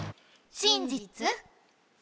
真実？